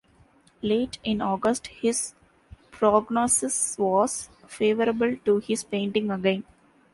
Late in August his prognosis was favorable to his painting again.